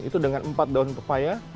itu dengan empat daun pepaya